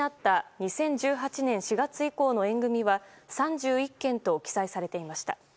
２０１８年４月以降の縁組は３１件と記載されていました。